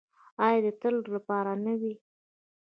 آیا د تل لپاره نه وي؟